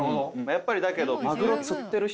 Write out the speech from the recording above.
やっぱりだけど。